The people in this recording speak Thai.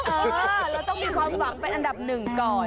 เออเราต้องมีความหวังเป็นอันดับหนึ่งก่อน